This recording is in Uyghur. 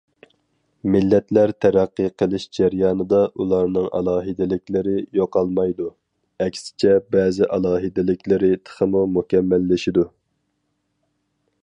مىللەتلەر تەرەققىي قىلىش جەريانىدا ئۇلارنىڭ ئالاھىدىلىكلىرى يوقالمايدۇ، ئەكسىچە بەزى ئالاھىدىلىكلىرى تېخىمۇ مۇكەممەللىشىدۇ.